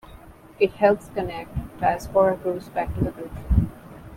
It helps connect diaspora groups back to the country.